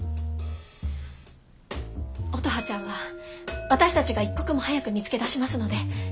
乙葉ちゃんは私たちが一刻も早く見つけ出しますので。